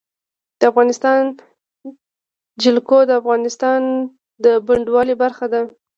د افغانستان جلکو د افغانستان د بڼوالۍ برخه ده.